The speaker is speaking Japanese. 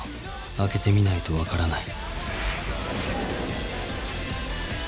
開けてみないとわからない